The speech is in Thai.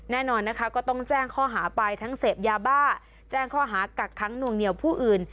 แน่นอนนะคะก็ต้องแจ้งข้อหาไปทั้งเสพยาบ้าแจ้งข้อหากักค้างหน่วงเหนียวผู้อื่น